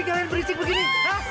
ada bareng berisik begini kan